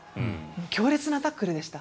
強烈なタックルでした。